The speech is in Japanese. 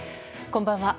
こんばんは。